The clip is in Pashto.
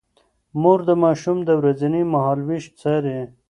مور د ماشوم د ورځني مهالوېش څاري.